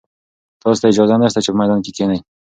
تاسي ته اجازه نشته چې په میدان کې کښېنئ.